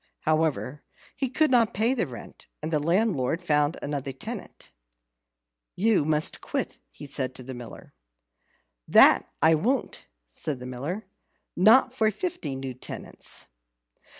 However, he could not pay the rent, and the landlord found another tenant. "You must quit," said he to the Miller. "That I won't," said the Miller, "not for fifty new tenants."